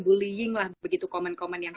bullying lah begitu komen komen yang